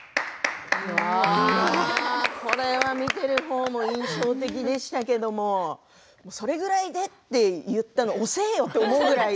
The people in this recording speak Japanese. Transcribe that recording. これは見ている方も印象的でしたけどそれぐらいで、と言ったのが遅えよと思うぐらい。